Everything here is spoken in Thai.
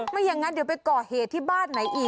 ไม่อย่างนั้นเดี๋ยวไปก่อเหตุที่บ้านไหนอีก